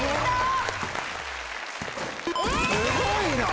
すごいな！